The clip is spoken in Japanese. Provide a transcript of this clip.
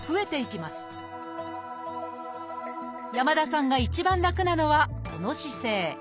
山田さんが一番楽なのはこの姿勢。